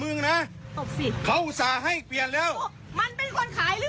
มั่นเป็นคนขายรึเปล่า